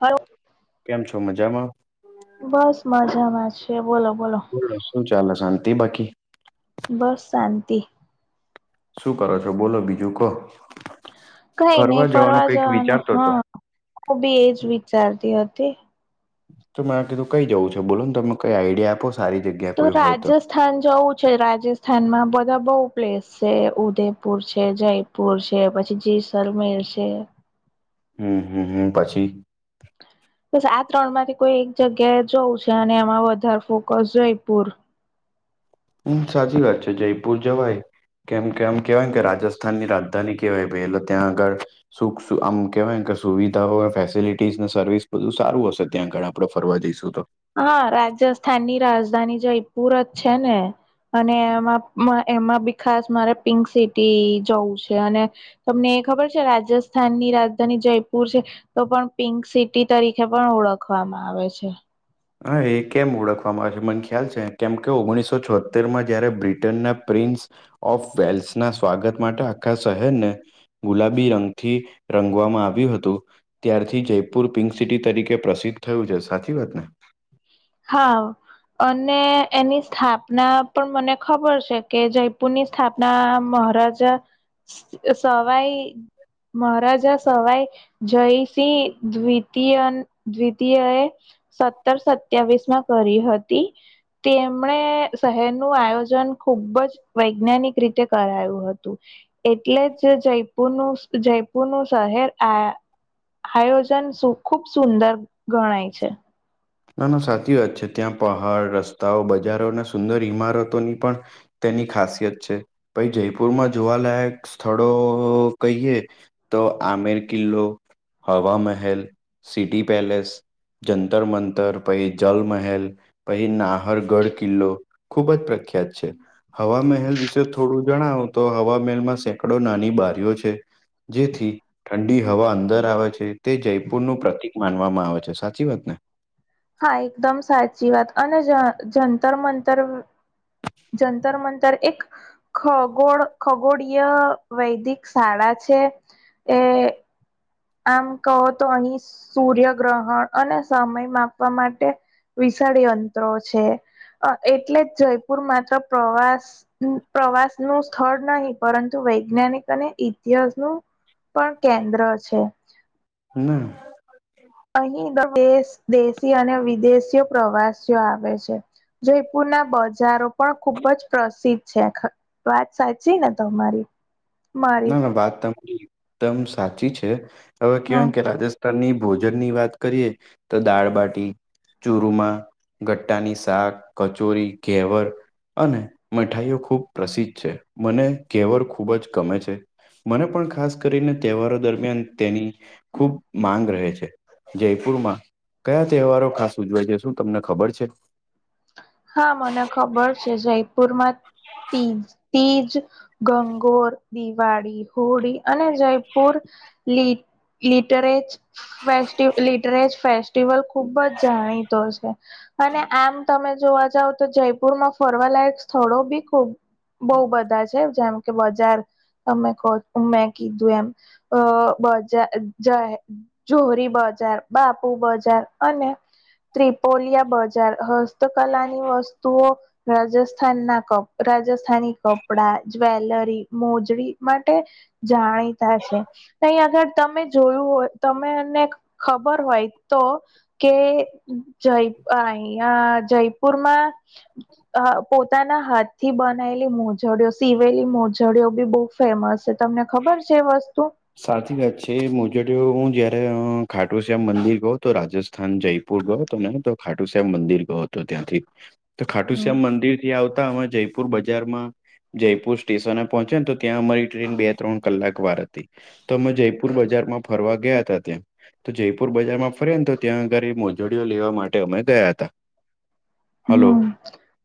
Hello કેમ છો મજામાં? બસ મજામાં છે, બોલો બોલો. બોલો શું ચાલે શાંતિ બાકી બસ શાંતી. શું કરો છો, બોલો બીજું કો? કઈ નઈ ફરવા જવાનું હતો હા હું બી એજ વિચારતી હતી. તો મે આ કીધું કઈ જવું બોલો ને તમે કઈ આઈડિયા આપો. સારી જગ્યા તો કોઈ હોય રાજથ સ્થાન જવું છે રાજસ્થાનમાં બધા બહુ પ્લેસ છે ઉદયપુર છે જય પુર છે પછી જેસલમેર છે. હમ હમ હમ પછી બસ આ ત્રણમાંથી કોઈ એક જગ્યાએ જવું છે અને એમાં વધારે ફોકસ જયપુર હમ સાચી વાત છે જયપુર જવાય કેમ કેમ કેહેવાય કે રાજસ્થાનની રાજધાની કેહેવાય ભાઈ એલે ત્યાં આગળ સુખ આમ કેવાય કે સુવિધાઓ ફેસિલિટીઝ સર્વિસ બધું સારું હશે ત્યાં આગળ આપણો ફરવા જઈશું તો હા, રાજસ્થાનની રાજધાની જયપુર જ છે ને અને એમાં એમાં બી ખાસ મારે પિંક સિટી જવું છે અને તમને એ ખબર છે રાજસ્થાન ની રાજધાની જયપુર છે. તો પણ પિંક સિટી તરીકે પણ ઓળખવામાં આવે છે. હા, એ કેમ ઓળખવામાં આવે છે મને ખ્યાલ છે કેમ કે ઓગણીસો છોતેરમાં જયારે બ્રિટનના પ્રિન્સ ઓફ વેલ્સના સ્વાગત માટે આખા શહેરને ગુલાબી રંગથી રંગાવામાં આવ્યું હતું. ત્યારથી જયપુર પિંક સિટી તરીકે પ્રસિદ્ધ થયું છે સાચી વાતને હા. અને એની સ્થાપના પણ મને ખબર કે જયપુરની સ્થાપના મહારાજા સવાઈ મહરાજા સવાઈ જયસિંહ દ્વિતય દ્વિતીય એ સ સતર સત્યાવીસમાં કરી હતી. તે તેમણે શહેર નું આયોજન ખુબ જ વૈજ્ઞાનિક રીતે કરાયું હતું. એટલે જ જયપુરનું જયપુર નુ શહેર આ આયોજન ખુબ સુંદર ગણાય છે. ના, ના સાચી વાત છે ત્યાં પહાડ રસ્તાઓ બજારો અને સુંદર ઇમારતોની પણ તેની ખાસિયત છે ભાઈ જયપુરમાં જોવાલાયક સ્થળો કહીએ. તો આમીર કિલ્લો હવા મહેલ સિટી પેલેસ જંતર મંતર પછ જલમહેલ પહી નાહરગઢ કિલ્લો ખૂબ જ પ્રખ્યાત છે. હવા મહેલ વિશે થોડું જણાવો તો હવા મહેલમાં સેંકડો નાની બારીઓ છે. જેથી ઠંડી હવા અંદર આવે છે તે જયપુર નું પ્રતિક માનવામાં આવે છે, સાચી વાત ને? હા, એકદમ સાચી વાત અને જ-જંતર મંતર જંતર મંતર એક ખગોળ ખગોળય વૈદિક શાળા છે એ આમ કહો તો અહીં સૂર્ય ગ્રહણ અને સમય માપવા માટે વિશાળ યંત્રો છે અ એટલે જ જયપુર માત્ર પ્રવાસ પ્રવાસનું સ્થળ નહીં પરંતુ વૈજ્ઞાનિક અને ઇતિહાસનું પણ કેન્દ્ર છે. [inaudible] અહી [inaudible] દેશી અને વિદેશીઓ પ્રવાસીઓ આવે છે. જયપુરના બજારો પણ ખુબ જ પ્રસિદ્ધ છે આખા વાત સાચી ને તમારી? મારી ના ના વાત [inaudible] [inaudible] દમ સાચી છે હવે હા કહેવાયન કે રાજ તરની ભોજનની વાત કરીએ તો દાળબાટી, ચૂરમાં, ગટ્ટાની શાક, કચોરી, ઘેવર અને મઠાઈઓ ખૂબ પ્રસિદ્ધ છે. મને ઘેવર ખૂબ જ ગમે છે. મને પણ ખાસ કરીને તહેવારો દરમિયાન તેની ખુબ માંગ રહે છે. જયપુરમાં કયા તહેવારો ખાસ ઉજવાય છે? શું તમને ખબર છે? હા, મને ખબર છે જયપુરમાં તીજ તીજ, ગંગોર, દિવાળી, હોળી અને જયપુર લી- લિટરેજ ફેસ્ટિવ લિટરેજ ફેસ્ ટીવલ ખુબ જ જાણીતો છે અને આમ તમે જોવા જાવ તો જયપુરમાં ફરવાલાયક સ્થળો બી ખુબ બહુ બધા છે જેમ કે બજાર તમે કો મેં કીધું એમ અ બજા જાહે જોહરી બજાર, બાપુ બજાર અને ત્રિપોલિયા બજાર હ સ્તકલાની વસ્તુઓ રાજસ્થાનના કપ રાજસ્થાની કપડા, જ્વેલરી, મોજડી માટે જાણીતા છે. અઈ આગળ તમે જોયું હોય તમે અને ખબર હોય તો કે જય અહીયા જયપુરમાં હ પોતાના હાથથી બનાએલી મોજડીઓ, સીવેલી મોજડીઓ બી બહુ ફેમસ છે તમને ખબર છે વસ્તુ સાચી વાત છે મોજડીઓ હું જયારે અ ખાટું શ્યામ મંદિર ગયો તો રાજસ્ થાન જયપુર ગયો હતો ને તો ખાટું શ્યામ મંદિર ગયો હતો ત્યાંથી તો ખાટું શ્યામ મંદિર થી આવતા અમે હમણાં જયપુર બજારમાં જયપુર સ્ટેશન પહોંચ્યાન તો ત્યાં અમારી ટ્રેન બે-ત્રણ કલાક વાર હ તી તો અમે જયપુર બજારમાં ફરવા ગયા હતા ત્યાં તો જયપુર બજારમાં ફર્યાન તો ત્યાં આગળે મોજડીઓ લેવા માટે અમે ગયા હતાં. હમ્મ,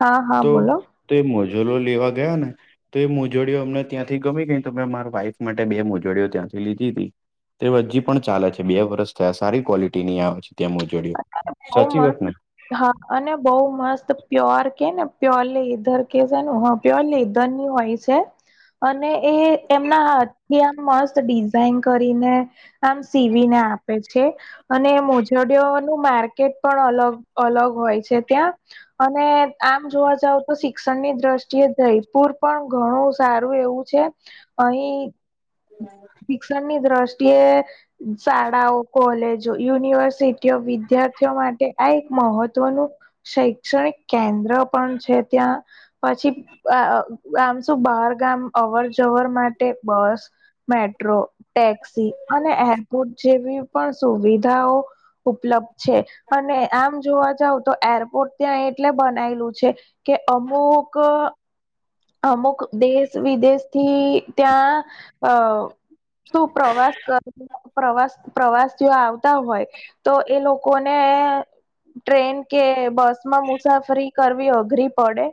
હા હા, બોલો. તે એ મોજલો લેવા ગયાને તો એ મોજડીઓ અમને ત્યાંથી ગમી ગઈ તો મેં મારા વાઈફ મા ટે બે મોજડીઓ ત્યાંથી લીધી હતી, તો હજી પણ ચાલે છે, બે વર્ષ થયા. સારી ક્વોલિટીની આવે છે. ત્યાં મોજડીઓ, બહુ સાચી મસ્ત વાતને? હા અને બઉ મસ્ત પ્યોર કેને પ્યોરલી લેધર કે છે ને [unintelligible] પ્યોર લેધરની હોય છે. અને એ એમનાથી આમ મસ્ત ડિઝાઇન કરીને આમ સીવીને આપે છે, અને મોજડીયો નુ માર્કેટ પણ અલગ અલગ હોય છે, ત્યાં અને આમ જોવા જાવતો શી ક્ષણની દ્રષ્ટિએ જયપુર પણ ઘણું સારું એવું છે, અહીં શિક્ષણની દ્રષ્ટિએ શાળાઓ, કોલેજો, યુનિવર્સિટીઓ, વિદ્યાર્થીઓ માટે આ એક મહત્વનું શૈક્ષણિક કેન્દ્ર પણ છે, ત્યાં પછી આ આમ શું બહાર ગામ અવર જવર માટે બસ મેટ્રો, ટેક્સી અને એરપોર્ટ જેવી પણ સુવિધાઓ ઉપલબ્ધ છે, અને આમ જોવા જાવતો એરપોર્ટ ત્યાં એટલે બનાયેલું છે. કે અમુક અમુક દેશ વિદેશથી ત્યાં અ શું પ્રવાસ કરી પ્રવાસ પ્રવાસ જો આવ તા હોય તો એ લોકોને ટ્રેન કે બસમાં મુસાફરી કરવી અઘરી પડે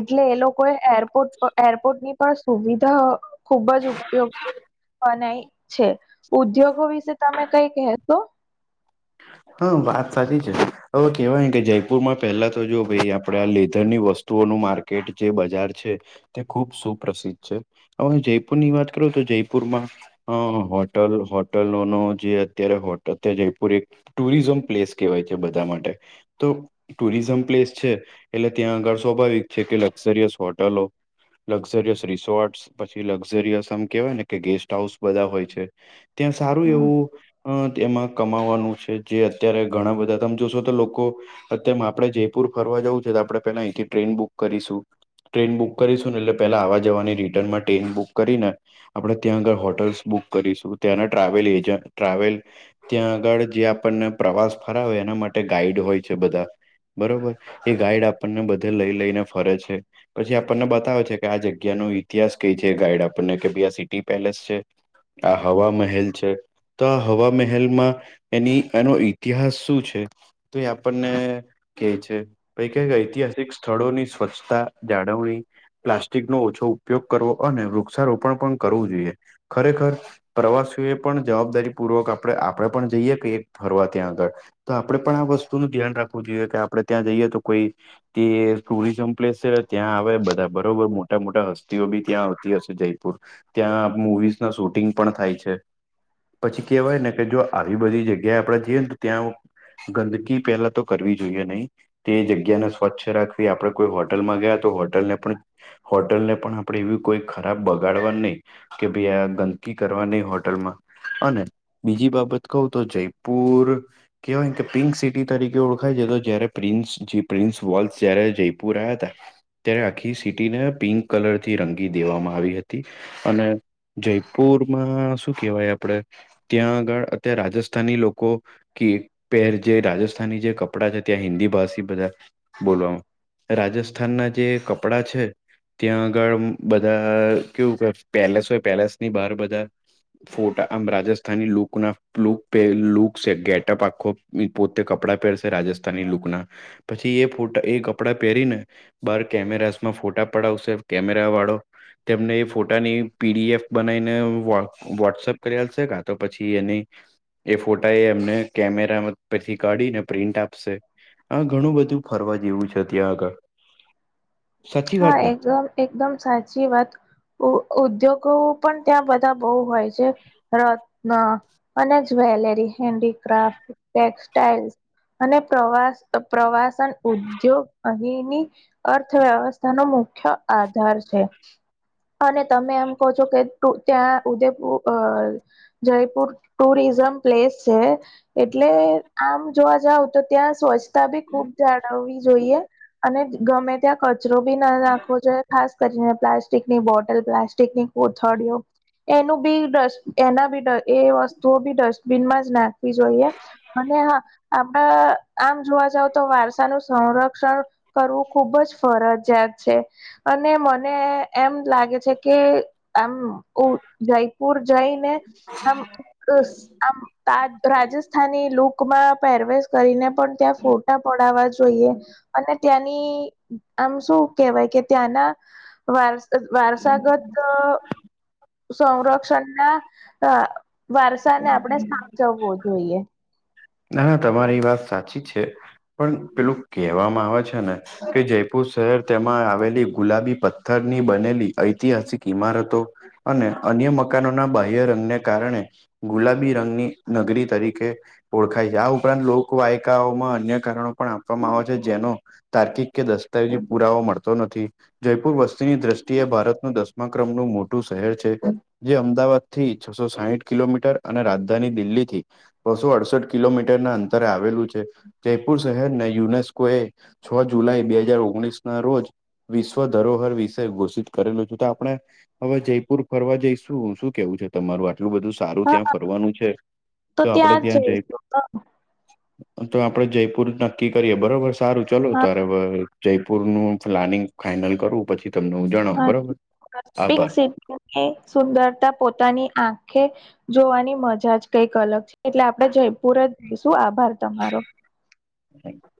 એટલે એ લોકો એ એરપોર્ટ એરપોર્ટ ની પણ સુ સુવિધા ખુબ જ ઉપયોગ બનાય છે, ઉદ્યોગો વીશે તમે કંઈ કેશો? હા [inaudible] હ વાત સાચી છે, હવે કેહેવાય કે જયપુરમાં પેલા તો જો ભાઈ આપણેે આ લેધરની વસ તો ઓનું માર્કેટ જે બજાર છે. તે ખુબ સુપ્રસિદ્ધ છે, હવે જયપુરની વાત કરો તો જયપુરમાં હ હોટલ હોટલોનો જે અત્યારે હોટ અતયા જયપુર એ ટુરિઝમ પ્લેસ કહેવાય છે, બધા માટે તો ટુરિઝમ પ્લેસ છે. એટલે ત્યાં આગળ સ્વાભાવિક છે, કે લક્ઝરિયસ હોટલો લક્ઝરિયસ રિસોર્ટસ પછી લક્ઝરિયસ આમ કેવાયને કે ગેસ્ટ હાઉસ બધા હોય છે. ત્યાં સારું એવું અ તેમાં કમાવાનું છે જે અત્યારે ઘણા બધા તમે જોશો તો લોકો [unintelligible] આપડે જયપુર ફરવા જવું છે, તો આપણે પેલા અહીંથી ટ્રેન બુક કરીશું. ટ્રેન બુક કરીશું ને એટલે પેલા આવા જવાની રિટર્નમાં ટ્રેન બુક કરીને આપડે ત્યાં આગળ હોટલ્સ બુક કરીશું ત્યાંના ટ્રાવેલ એજ ટ્રાવેલ ત્યાં આગળ જે આપણને પ્રવાસ ફરાવે એના માટે ગાઈડ હોય છે, બધા બરોબર એ ગાઈડ આપણને બધે લઈ લઈને ફરે છે. પછી આપણને બતાવે છે, કે આ જગ્યાનો ઇતિહાસ કઈ છે, ગાઈડ આપણને કે ભાઈઆ સિટી પેલેસ છે. આ હવા મહેલ છે, તો આ હવા મહેલમાં એની એનો ઈતિહાસ શું છે, તોએ આપણને કે છે, પહી કંઈ ઐતિહાસિક સ્થળોની સ્વચ્છતા જાળવણી પ્લાસ્ટિકનો ઓછો ઉપયોગ કરવો અને વૃક્ષારોપણ પણ કરવું જોઈએ ખરેખર પ્રવાસીએ પણ જવાબદારી પૂર્વક આપણે આપડે પણ જઈએ. કે ફરવા ત્યાં આગળ તો આપડણે પણ આ વસ્તુનું ધ્યાન રાખવું જોઈએ કે આપડે ત્યાં જઈએ તો કોઈ એ ટુરિઝમ પ્લેસ છે, ત્યાં આવે બધા બરોબર મોટા મોટા હસ્તીઓ બી ત્યાં આવતી હશે જયપુર ત્યાં મુવીઝના શૂટિંગ પણ થાય છે, પછી કેહેવાય ને કે જો આવી બધી જ ગયા આપડે જેઈએ ને ત્યાં ગંદકી પેલા તો કરવી જોઈએ નઈ તે જગ્યાને સ્વચ્છ રાખવી આપણે કોઈ હોટલમાં ગયા તો હોટલને પણ હોટલને પણ આપડે એવી કોઈ ખરાબ બગાડવા નઈ કે ભાઈ આ ગંદકી કરવા નહી હોટેલમાં અને બીજી બાબત કઉ તો જઈ પૂર. કહેવાય કે પિંક સિટી તરીકે ઓળખાઈ જાય તો જ્યારે પ્રિન્સ પ્રિન્સ વોલ્સ જયારે જયપુર આવ્યા હતા. ત્યારે આખી સીટી ને પિંક કલર થી રંગી દેવામાં આવી હ તી અને જયપુરમાં શું કેહેવાય આપડે ત્યાં આગળ અત્યાર રાજસ્થાની લો કો. કે પહેર જે રાજસ્થાની જે કપડાં છે ત્યાં હિન્દી ભાષી બધા. બોલવ રાજસ્થાનના જે કપડા છે. ત્યાં આગળ બધા કેવું કે પેલેસ હોય પેલેસ ની બહાર બધા ફોટા આમ રાજસ્થાની લોકોના લોક પેહ લોક ગેટઅપ આખો પોતે કપડાં પહેરશે રાજસ્થાની લુકના. પછી એ પોતા એ કાપડા પહેરીને બાર કેમેરાસમાં ફોટા પડાવશે કેમેરા વાળો. તેમને એ ફોટાની પી ડી એફ બનાઈને વોટ્સ વોટ્સઅપ કરી આપશે કા તો પછી એની એ ફોટા એ એમને કેમેરા માંથી પછી કાઢી ને પ્રિન્ટ આપશે. હ ઘણું બધું ફરવા જેવું છે ત્યાં આગળ, સાચી હા વાત ને. એકદમ એકદમ સાચી વાત ઉદ્યોગો પણ ત્યાં બધા બો હોય છે. રત્ન અને જ્વેલેરી હેન્ડીક્રાફ્ટ ટેક્સટાઈલ્સ. અને પ્રવાસ પ્રવાસન ઉદ્યોગ અહીંની અર્થવ્યવસ્થાનો મુખ્ય આધાર છે. અને તમે એમ કહો છો કે ત્યાં ઉદેપુર અ જયપુર ટુરિઝમ પ્લેસ છે એટલે આમ જોવા જાવ તો ત્યાં સ્વચ્છ તા બી ખૂબ જાળવવી જોઈએ અને ગમે ત્યાં કચરો બી ના નાખવો જોઈએ ખાસ કરીને પ્લાસ્ટિકની બોટલ પ્લાસ્ટિકની કોથળિઓ. એનું બી ડસ એના બી ડ એ વસ્તુઓ બી ડસ્ટબિનમાં જ નાખ જોઈએ અને હા આપડા આમ જોવા જાવ તો વારસાનું સંર ક્ષણ કરવું ખુબ જ ફરજિયાત છે. અને મને એમ લાગે છે કે આમ જયપુર જઈને આમ અ આમ તા રાજસ્થાની લુ કમાં પેરવેશ કરીને પણ ત્યાં ફોટા પડાવવા જોઈએ અને ત્યાંની આમ શું કેહેવાય કે ત્યાંના વાર વારસાગત અ સંરક્ષણ ના વારસા ને આપણે સા ચવવો જોઈએ. ના તમારી વાત સાચી છે પણ પેલું કહેવામાં આવે છે ને. કે જયપુર શહેર તેમાં આવેલી ગુલાબી પથ્થરની બનેલી ઐતિહાસિક ઈમારતો. અને અન્ય મકાનોના બાહ્ય રંગને કારણે ગુલાબી રંગની નગરી તરીકે ઓળખાય છે આ ઉપરાંત લોકવાયકાઓમાં અન્ય કારણો પણ આપવામાં આવે છે જેનો તાર્કિક કે દસ્તાવેજી પુરાવો મળતો નથી. જયપુર વસ્તીની દ્રષ્ટિએ ભારતનું દસમા ક્રમનું મોટું શહેર છે. જે અમદાવાદથી છ સો સાહીઠ કિલોમીટર અને રાજધાની દિલ્હીથી બસો અડસઠ કિલોમીટરના અંતરે આવેલું છે, જયપુર શહેરને યુનેસ્કો એ છ જુલાઈ બે હાજાર ઓગણીસના રોજ વિશ્વ ધરોહર વિષય ઘોષિત કરેલું છે, તો આપણે હવે, જયપુર ફરવા જઈશું. શું કેવું છે તમારું આટલું બધું? સારું ત્યાં હા ફરવાનું છે, તો આપણે ત્યાં જ જઈ જઈશું હા તો આપણે જયપુર નક્કી કરીએ બરોબર સારું. ચલો, તારે જયપુરનું પ્લાનિંગ ફાઈનલ કરું. પછી તમને હું જણાવ બરોબર. આભાર. એ સુંદરતા પોતાની આંખે જોવાની મજા જ કઈક અલગ છે. એટલે આપણે જયપુર જ જઈશું, આભાર તમારો. હમ. [inaudible]